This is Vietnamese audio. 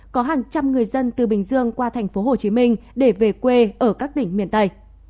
có hàng trăm người dân từ bình dương qua thành phố hồ chí minh để về quê ở các đỉnh miền tây